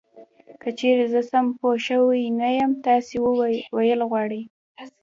که چېرې زه سم پوه شوی یم تاسې ویل غواړی .